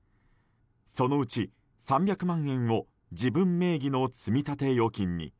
そのうち３００万円を自分名義の積立預金に。